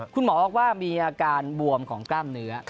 คุณหมอบอกว่ามีอาการบวมของกล้ามเนื้อ